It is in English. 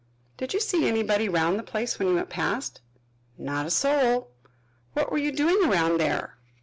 "Did you see anybody round the place when you went past?" "Not a soul." "What were you doing around there?"